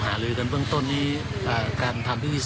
ตอนนี้ให้รับออกได้ประมาณ๘๓๐นาที